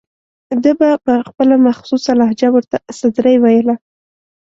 ده به په خپله مخصوصه لهجه ورته سدرۍ ویله.